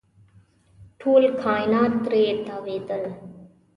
ټول کاینات ترې تاوېدل.